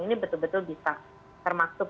ini betul betul bisa termasuk